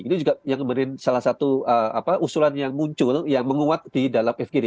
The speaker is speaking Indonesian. itu juga yang kemudian salah satu usulan yang muncul yang menguat di dalam fgd